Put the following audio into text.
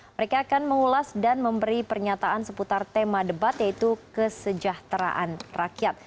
mereka akan mengulas dan memberi pernyataan seputar tema debat yaitu kesejahteraan rakyat